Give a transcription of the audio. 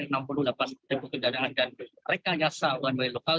dengan kesebutan ketendaraan dan rekayasa one way lokal